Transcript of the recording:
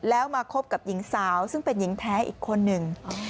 แล้วมาคบกับหญิงสาวซึ่งเป็นหญิงแท้อีกคนหนึ่ง